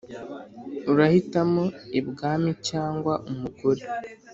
urahitamo ibwami cg umugore